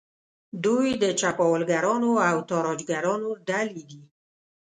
دوی د چپاولګرانو او تاراجګرانو ډلې دي.